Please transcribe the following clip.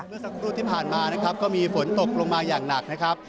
เมื่อสักครู่ที่ผ่านมานะครับก็มีฝนตกลงมาอย่างหนักนะครับ